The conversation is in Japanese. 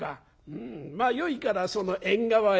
「うんまあよいからその縁側へお掛け。